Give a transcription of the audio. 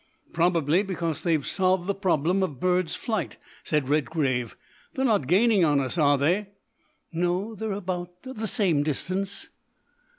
"Probably because they've solved the problem of bird's flight," said Redgrave. "They're not gaining on us, are they?" "No, they're at about the same distance."